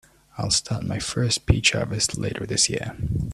I'll start my first peach harvest later this year.